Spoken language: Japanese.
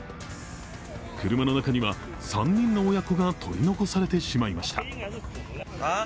車の中には３人の親子が取り残されてしまいました。